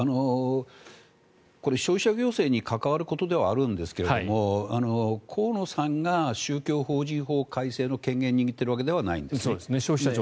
これ、消費者行政に関わることではあるんですが河野さんが宗教法人法改正の権限を握っているわけではないんですね。